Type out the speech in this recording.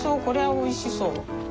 これはおいしそう。